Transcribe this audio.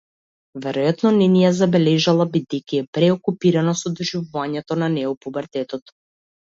Веројатно не ја ни забележала, бидејќи е преокупирана со доживувањето на неопубертетот.